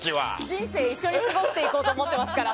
人生一緒に過ごしていこうと思っていますから。